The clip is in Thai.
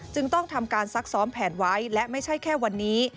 จึงต้องทำการซักซ้อมแผนไว้และไม่ใช่แค่วันนี้